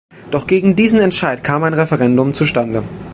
Doch gegen diesen Entscheid kam ein Referendum zustande.